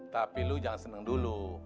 tapi lo jangan seneng dulu